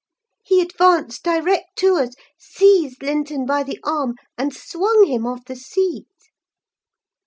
He advanced direct to us, seized Linton by the arm, and swung him off the seat.